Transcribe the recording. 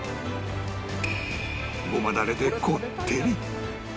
ごまダレでこってり